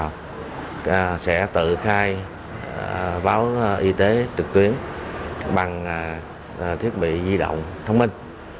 hướng dẫn hành khách đi tàu sẽ tự khai báo y tế trực tuyến bằng thiết bị di động thông minh